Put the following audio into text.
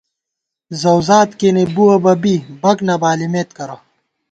زَؤزاد کېنے بوَہ بہ بی بَک نہ بالِمېت کرہ